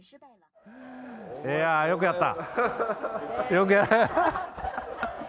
いやぁよくやった。